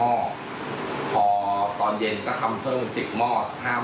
ตอนเย็นก็ทำเพิ่ม๑๐หม้อ